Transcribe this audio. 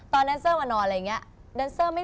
แนนเซอร์มานอนอะไรอย่างนี้